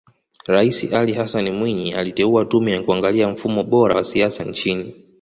Rais Ali Hassan Mwinyi aliteua Tume ya kuangalia mfumo bora wa siasa nchini